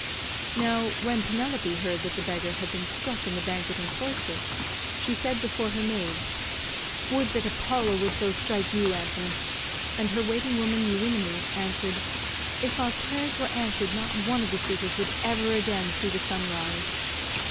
Now when Penelope heard that the beggar had been struck in the banqueting cloister, she said before her maids, "Would that Apollo would so strike you, Antinous," and her waiting woman Eurynome answered, "If our prayers were answered not one of the suitors would ever again see the sun rise."